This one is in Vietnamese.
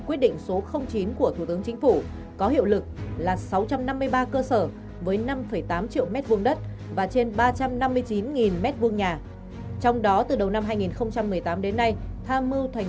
huyện châu thành tỉnh đồng thác